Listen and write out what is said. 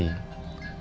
kalau kamu ada di sini